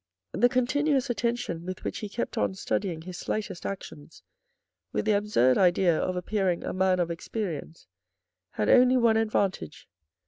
The continuous attention with which he kept on studying his slightest actions with the absurd idea of appearing a man of experience had only one advantage.